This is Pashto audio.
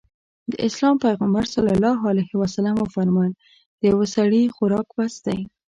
د اسلام پيغمبر ص وفرمايل د يوه سړي خوراک بس دی.